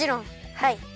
はい。